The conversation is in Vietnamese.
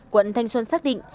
quận thanh xuân xác định